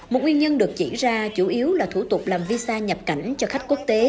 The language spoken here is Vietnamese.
một nguyên nhân được chỉ ra chủ yếu là thủ tục làm visa nhập cảnh cho khách quốc tế